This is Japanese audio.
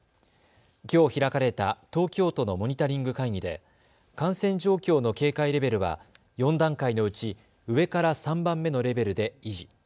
きょう開かれた東京都のモニタリング会議で感染状況の警戒レベルは４段階のうち上から３番目のレベルで維持。